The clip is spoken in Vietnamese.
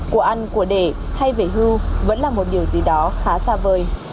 của ăn của để thay về hưu vẫn là một điều gì đó khá xa vời